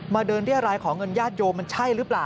เดินเรียรายขอเงินญาติโยมมันใช่หรือเปล่า